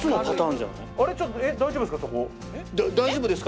大丈夫ですか？